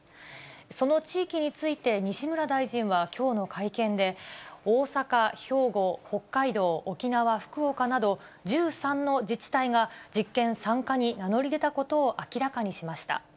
その地域について、西村大臣はきょうの会見で、大阪、兵庫、北海道、沖縄、福岡など、１３の自治体が実験参加に名乗り出たことを明らかにしました。